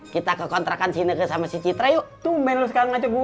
kita ke kontrakan sini sama citra yuk